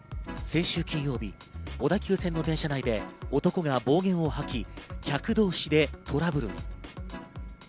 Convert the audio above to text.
先週金曜日、小田急線の電車内で男が暴言を吐き、客同士でトラブルに。